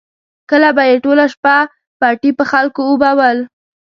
کله به یې ټوله شپه پټي په خلکو اوبول.